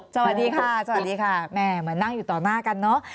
สวัสดีค่ะสวัสดีค่ะแม่เหมือนนั่งอยู่ต่อหน้ากันเนอะ